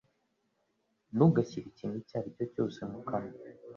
Ntugashyire ikintu icyo aricyo cyose mukanwa